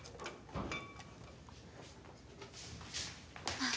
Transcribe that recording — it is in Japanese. あっ